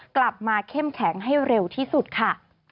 กลับมาเข้มแข็งให้เร็วที่สุดค่ะ